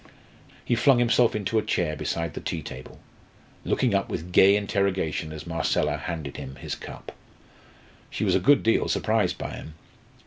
He flung himself into a chair beside the tea table, looking up with gay interrogation as Marcella handed him his cup. She was a good deal surprised by him.